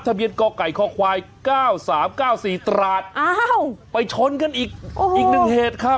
ทะเบียนกอกไก่คอควายเก้าสามเก้าสี่ตราดอ้าวไปชนกันอีกโอ้โหอีกหนึ่งเหตุครับ